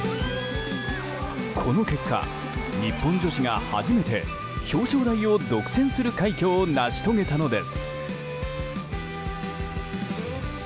この結果、日本女子が初めて表彰台を独占する快挙を成し遂げたのです。